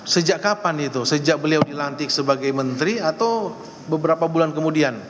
sejak kapan itu sejak beliau dilantik sebagai menteri atau beberapa bulan kemudian